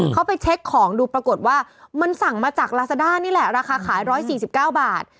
เขาไปเช็คของดูปรากฏว่ามันสั่งมาจากลาซาด้านี่แหละราคาขาย๑๔๙บาท